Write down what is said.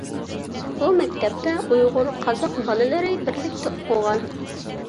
بۇ مەكتەپتە ئۇيغۇر، قازاق بالىلىرى بىرلىكتە ئوقۇغان.